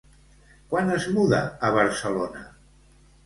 Quan es muda a Barcelona?